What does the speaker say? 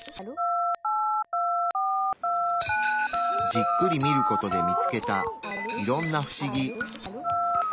じっくり見る事で見つけたいろんな不思議。